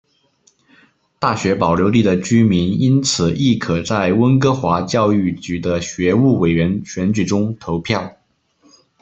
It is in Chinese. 大学保留地的居民因此亦可在温哥华教育局的学务委员选举中投票。